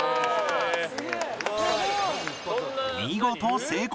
見事成功！